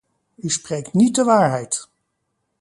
U spreekt niet de waarheid!